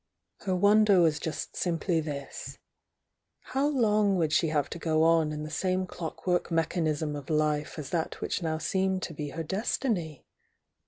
Her wonder was just simply this: — ^How long wouU she have to go on in the same clockwork mechan ism of life as that which now seemed to be her destiny?